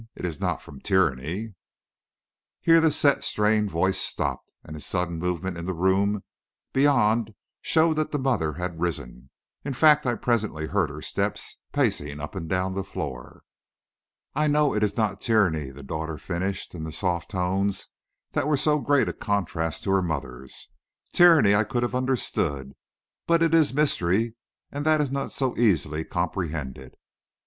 It is not from tyranny " Here the set, strained voice stopped, and a sudden movement in the room beyond showed that the mother had risen. In fact, I presently heard her steps pacing up and down the floor. "I know it is not tyranny," the daughter finished, in the soft tones that were so great a contrast to her mother's. "Tyranny I could have understood; but it is mystery, and that is not so easily comprehended.